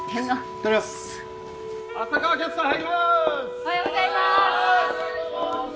おはようございます。